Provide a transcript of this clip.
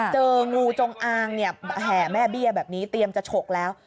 เจองูจงอางเนี่ยแห่แม่เบี้ยแบบนี้เตรียมจะฉกแล้ว